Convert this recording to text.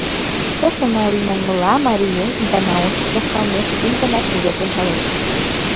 Тошто марий манмыла, марий еҥ ик гана ончык тошкалмеш, кум гана шеҥгек ончалеш.